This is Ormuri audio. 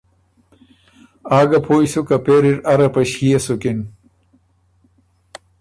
آ ګه پویٛ سُک که پېري ر اره په ݭيې سُکِن